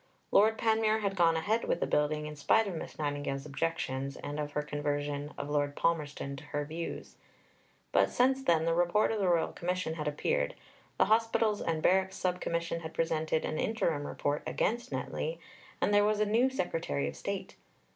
Lord Panmure had gone ahead with the building in spite of Miss Nightingale's objections and of her conversion of Lord Palmerston to her views (p. 341). But since then, the Report of the Royal Commission had appeared, the Hospitals and Barracks Sub Commission had presented an interim report against Netley, and there was a new Secretary of State.